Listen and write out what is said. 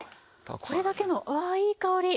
これだけのわあいい香り！